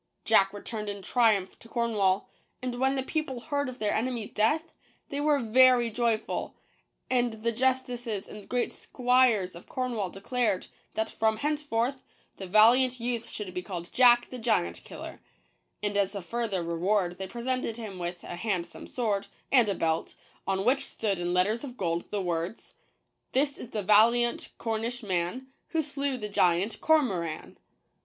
Jack returned in triumph to Cornwall; and when the peo ple heard of their enemy's death, they were very joyful ; and the justices and great squires of Cornwall declared, that from henceforth, the valiant youth should be called Jack the Giant Killer ; and as a further reward they presented him with a handsome sword, and a belt, on which stood in letters of gold the words : This is the valiant Cornish Man Who slew the Giant Cormoran